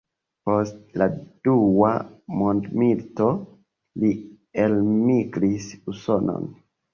Post la dua mondmilito li elmigris Usonon.